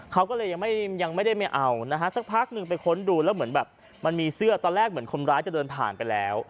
เขาก็เลยยังไม่ได้ไม่เอานะฮะสักพักหนึ่งไปค้นดูแล้วเหมือนแบบมันมีเสื้อตอนแรกเหมือนคนร้ายจะเดินผ่านไปแล้ว